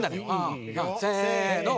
せの。